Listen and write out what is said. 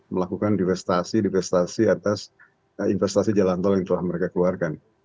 melakukan divestasi divestasi atas investasi jalan tol yang telah mereka keluarkan